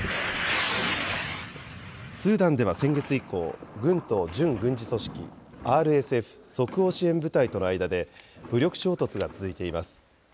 スーダンでは先月以降、軍と準軍事組織、ＲＳＦ・即応支援部隊との間で、武力衝突が続いています。